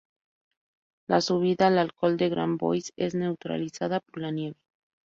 La subida al col de Grand Bois es neutralizada por la nieve.